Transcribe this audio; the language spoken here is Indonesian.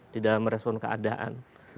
tidak merespon keadaan